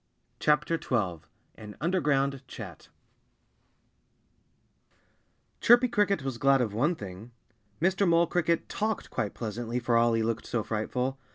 XII AN UNDERGROUND CHAT Chirpy Cricket was glad of one thing. Mr. Mole Cricket talked quite pleasantly, for all he looked so frightful.